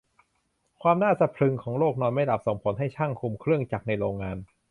ความน่าสะพรึงของโรคนอนไม่หลับส่งผลให้ช่างคุมเครื่องจักรในโรงงาน